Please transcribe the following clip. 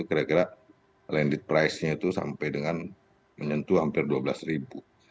sudah bergerak lendit price nya itu sampai dengan menyentuh hampir dua belas ribu